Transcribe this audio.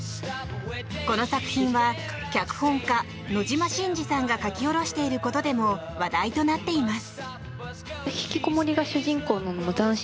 この作品は脚本家・野島伸司さんが書き下ろしていることでも話題となっています。